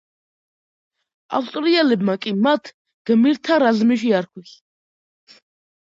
ავსტრიელებმა კი მათ „გმირთა რაზმი“ შეარქვეს.